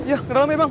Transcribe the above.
iya ke dalam nih bang